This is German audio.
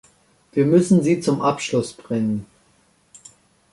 Wir müssen sie zum Abschluss bringen.